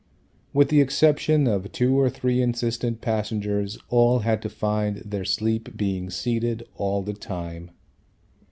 With the exception of two or three insistent passengers, all had to find their sleep being seated all the time.